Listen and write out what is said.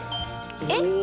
えっ？